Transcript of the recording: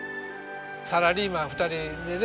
サラリーマン２人でね